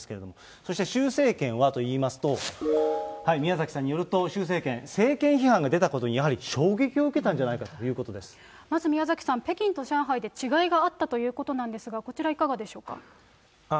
そして習政権はといいますと、宮崎さんによると、習政権、政権批判が出たことにやはり衝撃を受けたんじゃないかということまず宮崎さん、北京と上海で違いがあったということなんですが、こちら、いかがでしょうか。